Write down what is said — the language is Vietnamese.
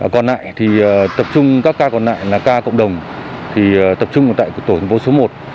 còn lại thì tập trung các ca còn lại là ca cộng đồng tập trung tại tổng số một